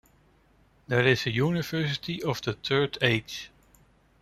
There is a University of the Third Age.